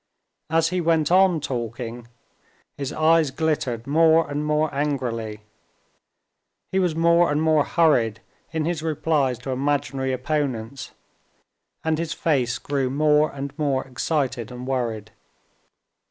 As he went on talking, his eyes glittered more and more angrily; he was more and more hurried in his replies to imaginary opponents, and his face grew more and more excited and worried.